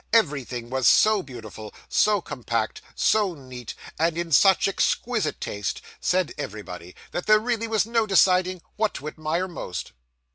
Everything was so beautiful, so compact, so neat, and in such exquisite taste, said everybody, that there really was no deciding what to admire most.